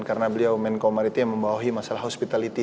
karena beliau menkomar itu yang membawahi masalah hospitality